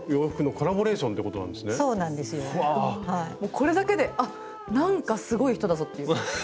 これだけであっなんかすごい人だぞっていう。